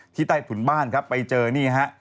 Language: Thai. ใต้ถุนบ้านครับไปเจอนี่ฮะ